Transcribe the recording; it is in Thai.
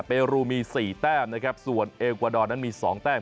เปรูมี๔แต้มนะครับส่วนเอกวาดอร์นั้นมี๒แต้ม